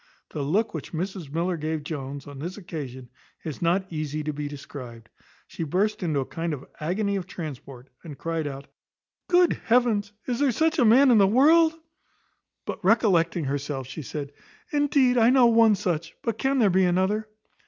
The look which Mrs Miller gave Jones, on this occasion, is not easy to be described. She burst into a kind of agony of transport, and cryed out "Good heavens! is there such a man in the world?" But recollecting herself, she said, "Indeed I know one such; but can there be another?"